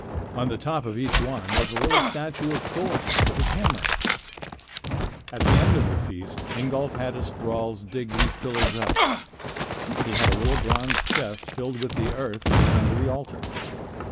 On the top of each one was a little statue of Thor with his hammer. At the end of the feast Ingolf had his thralls dig these pillars up. He had a little bronze chest filled with the earth that was under the altar.